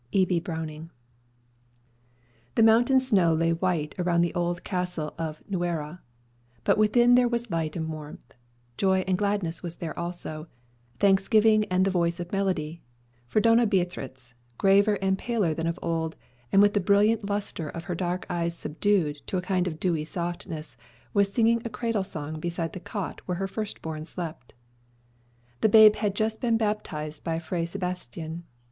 B. Browning. The mountain snow lay white around the old castle of Nuera; but within there was light and warmth. Joy and gladness were there also, "thanksgiving and the voice of melody;" for Doña Beatrix, graver and paler than of old, and with the brilliant lustre of her dark eyes subdued to a kind of dewy softness, was singing a cradle song beside the cot where her first born slept. The babe had just been baptized by Fray Sebastian.